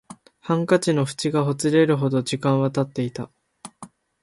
ハンカチの縁がほつれるほど時間は経っていた